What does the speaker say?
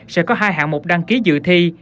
sẽ có hai hạng mục đăng ký dự thi